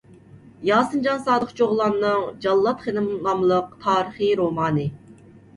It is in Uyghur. ياسىنجان سادىق چوغلاننىڭ «جاللات خېنىم» ناملىق تارىخىي رومانى